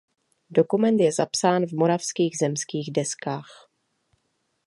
Dokument je zapsán v Moravských zemských deskách.